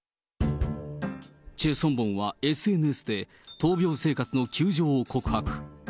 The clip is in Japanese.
チェ・ソンボンはＳＮＳで、闘病生活の窮状を告白。